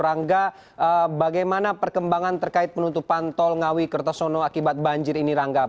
rangga bagaimana perkembangan terkait penutupan tol ngawi kertosono akibat banjir ini rangga